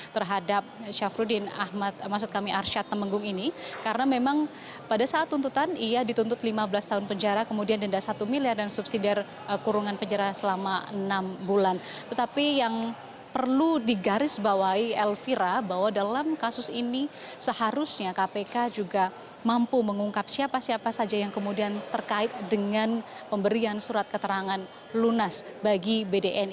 kewajiban pemegang nasional indonesia yang dimiliki pengusaha syamsul nursalim